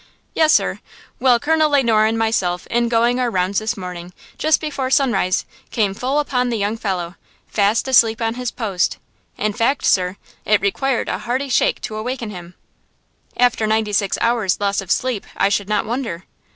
"Yes, sir. Well, Colonel Le Noir and myself in going our rounds this morning, just before sunrise, came full upon the young fellow, fast asleep on his post. In fact, sir, it required a hearty shake to awaken him." "After ninety six hours' loss of sleep, I should not wonder."